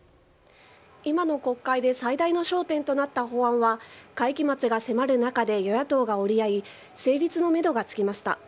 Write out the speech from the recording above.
今の国会で最大の焦点となった法案は会期末が迫る中で与野党が折り合い成立のめどがつきました。